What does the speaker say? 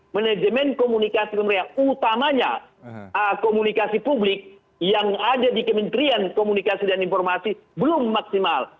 manajemen komunikasi utamanya komunikasi publik yang ada di kementerian komunikasi dan informasi belum maksimal